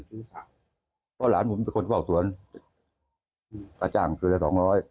เพราะหลานผมเป็นคนที่บอกสวนประจ่างคือละสองหม้อร้อย